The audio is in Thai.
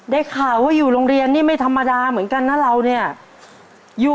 ได้ข่าวว่าอยู่โรงเรียนนี่ไม่ธรรมดาเหมือนกันนะเราเนี่ย